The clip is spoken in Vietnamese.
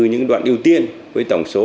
những đoạn ưu tiên với tổng số